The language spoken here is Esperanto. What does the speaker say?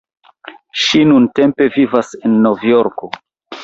Ŝi nuntempe vivas en Novjorko.